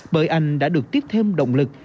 bởi anh đã được tiếp thêm động lực